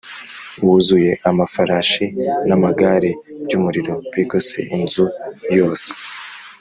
Wuzuye amafarashi n amagare by umuriro bigose inzu yose